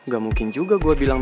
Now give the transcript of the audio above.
sebaiknya gue pulang